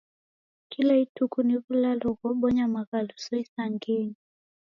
Kila ituku ni w'ulalo ghobonya maghaluso isangenyi.